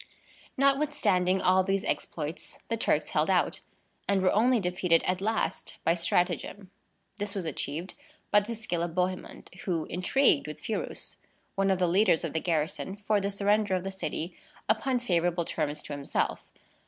Notwithstanding all these exploits, the Turks held out, and were only defeated at last by stratagem. This was achieved by the skill of Bohemond, who intrigued with Phirous, one of the leaders of the garrison, for the surrender of the city, upon favorable terms to himself.